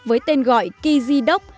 với tên gọi kizidoc